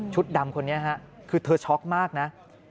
ดำคนนี้ฮะคือเธอช็อกมากนะ